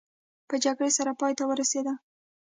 په جګړې سره پای ته ورسېده.